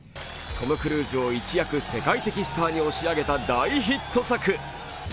トム・クルーズを一躍世界的スターに押し上げた大ヒット作。